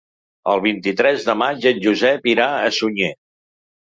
El vint-i-tres de maig en Josep irà a Sunyer.